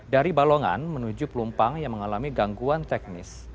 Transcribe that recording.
dari balongan menuju pelumpang yang mengalami gangguan teknis